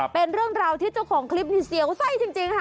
เป็นเรื่องราวที่เจ้าของคลิปนี้เสียวไส้จริงค่ะ